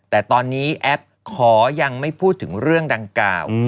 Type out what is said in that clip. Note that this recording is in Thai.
แต่ตอนนี้แอปขอยังไม่พูดถึงเรื่องดังกล่าว